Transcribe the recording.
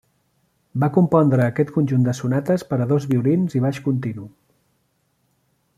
Va compondre aquest conjunt de sonates per a dos violins i baix continu.